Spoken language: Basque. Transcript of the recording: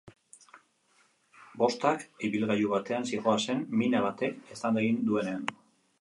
Bostak ibilgailu batean zihoazen mina batek eztanda egin duenean.